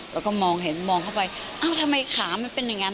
แล้วก็มองเห็นมองเข้าไปเอ้าทำไมขามันเป็นอย่างนั้น